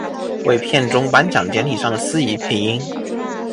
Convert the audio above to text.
为片中颁奖典礼上的司仪配音。